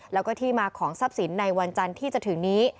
แล้วก็ที่มาของทรัพย์สินในวันจันทร์ที่จะถึงนี้